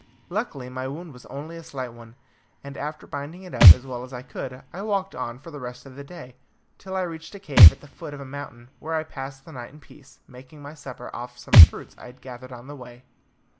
Luckily my wound was only a slight one, and after binding it up as well as I could, I walked on for the rest of the day, till I reached a cave at the foot of a mountain, where I passed the night in peace, making my supper off some fruits I had gathered on the way.